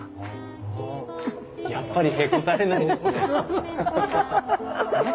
やっぱりへこたれないんですね！